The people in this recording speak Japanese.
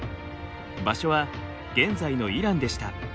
場所は現在のイランでした。